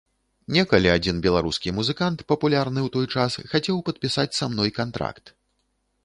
Некалі адзін беларускі музыкант, папулярны ў той час, хацеў падпісаць са мной кантракт.